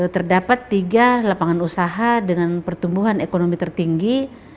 terdapat tiga lapangan usaha dengan pertumbuhan ekonomi tertinggi